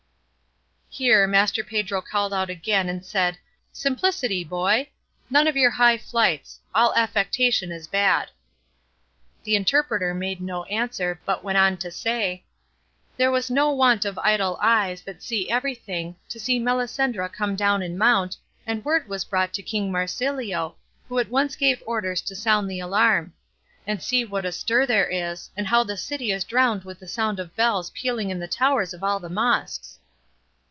Here Master Pedro called out again and said, "Simplicity, boy! None of your high flights; all affectation is bad." The interpreter made no answer, but went on to say, "There was no want of idle eyes, that see everything, to see Melisendra come down and mount, and word was brought to King Marsilio, who at once gave orders to sound the alarm; and see what a stir there is, and how the city is drowned with the sound of the bells pealing in the towers of all the mosques."